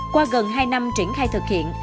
qua gần hai năm triển khai thực hiện